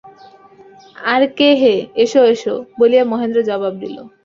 আরে কে হে, এসো এসো বলিয়া মহেন্দ্র জবাব দিল।